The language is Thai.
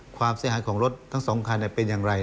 ความเสียหายของรถทั้ง๒คันเป็นอย่างไร